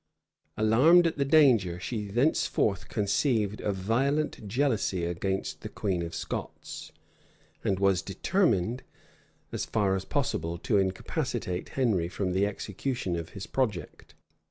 Alarmed at the danger, she thenceforth conceived a violent jealousy against the queen of Scots; and was determined, as far as possible, to incapacitate Henry from the execution of his project.